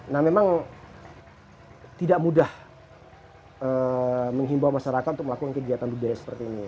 nah memang tidak mudah menghimbau masyarakat untuk melakukan kegiatan budaya seperti ini